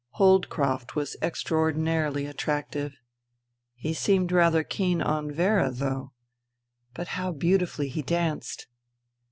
Holdcroft was extraordinarily attractive. He seemed rather keen on Vera, though. But how beautifully he danced.